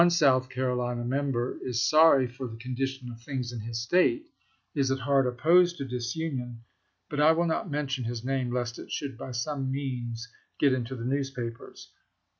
One South Carolina Member is sorry for the condition of things in his State — is at heart opposed to dis union; but I will not mention his name lest it should by some means get into the newspapers.